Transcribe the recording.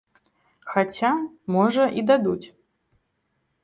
Хаця, можа, і дадуць.